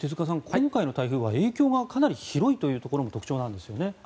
今回の台風は影響がかなり広いというところも特徴なんですよね。